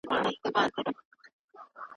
دواړه اړخونه باید قانع سي.